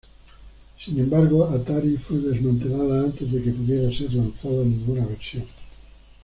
Sin embargo Atari fue desmantelada antes de que pudiera ser lanzada ninguna versión.